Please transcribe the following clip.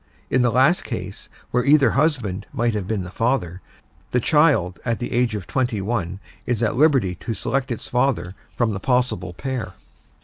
In the last case, where either husband might have been the father, the child at the age of twenty one is at liberty to select its father from the possible pair.